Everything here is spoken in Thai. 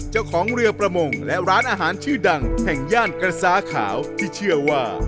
เจ้าของเรือประมงและร้านอาหารชื่อดังแห่งย่านกระซ้าขาวที่เชื่อว่า